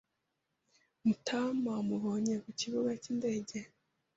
Matamawamubonye ku kibuga cyindege.